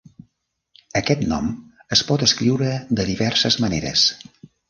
Aquest nom es pot escriure de diverses maneres.